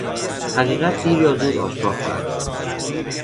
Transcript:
حقیقت دیر یا زود آشکار خواهد شد.